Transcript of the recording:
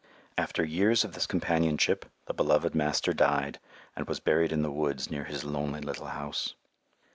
After years of this companionship the beloved master died and was buried in the woods near his lonely little house.